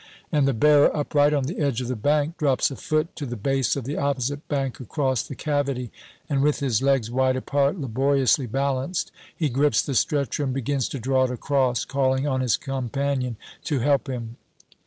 And the bearer, upright on the edge of the bank, drops a foot to the base of the opposite bank across the cavity, and with his legs wide apart, laboriously balanced, he grips the stretcher and begins to draw it across, calling on his companion to help him.